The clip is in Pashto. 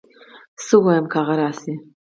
څه ووايم که هغه راشي